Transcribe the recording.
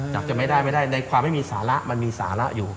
จะไม่ได้ไม่ได้ในความไม่มีสาระมันมีสาระอยู่